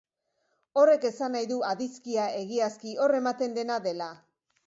Horrek esan nahi du adizkia, egiazki, hor ematen dena dela.